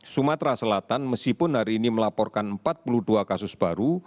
sumatera selatan meskipun hari ini melaporkan empat puluh dua kasus baru